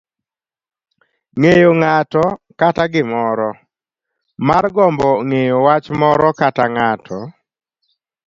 ng'eyo ng'ato kata gimoro. margombo ng'eyo wach moro kata ng'ato.